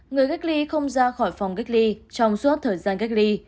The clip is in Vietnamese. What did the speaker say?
người cách ly không ra khỏi phòng cách ly trong suốt thời gian cách ly